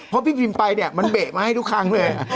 พอพี่พริมล์ไปมันเบะมาให้ทุกครั้งไหน